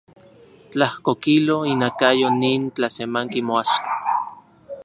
Tlajko kilo inakayo nin tlasemanki moaxka.